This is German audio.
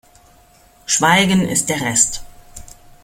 Schweigen ist der Rest.